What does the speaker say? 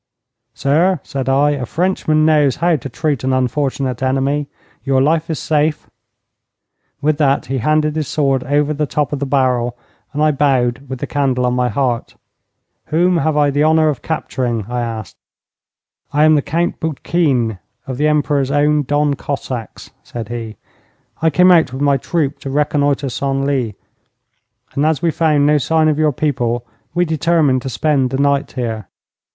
'Sir,' said I, 'a Frenchman knows how to treat an unfortunate enemy. Your life is safe.' With that he handed his sword over the top of the barrel, and I bowed with the candle on my heart. 'Whom have I the honour of capturing?' I asked. 'I am the Count Boutkine, of the Emperor's own Don Cossacks,' said he. 'I came out with my troop to reconnoitre Senlis, and as we found no sign of your people we determined to spend the night here.'